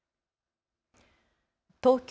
東京